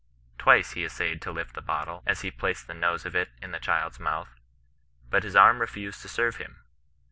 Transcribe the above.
Twice he as sayed to lift the bottle, as he placed the nose of it in the cmld's mouth, but his arm refused to serve him.